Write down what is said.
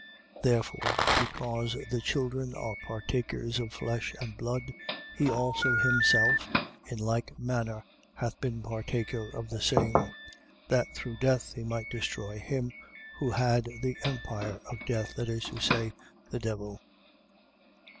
2:14. Therefore because the children are partakers of flesh and blood, he also himself in like manner hath been partaker of the same: that, through death, he might destroy him who had the empire of death, that is to say, the devil: 2:15.